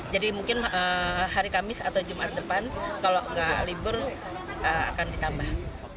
jadi mungkin hari kamis atau jumat depan kalau tidak libur akan ditambah